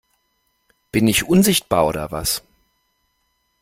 Bin ich unsichtbar oder was?